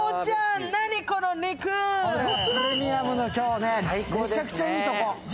プレミアムの今日ね、めちゃくちゃいいところ。